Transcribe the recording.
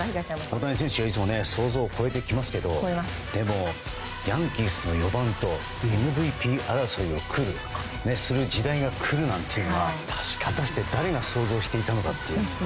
大谷選手はいつも想像を超えてきますがでも、ヤンキースの４番とＭＶＰ争いをする時代が来るなんていうのは誰が想像していたのかって。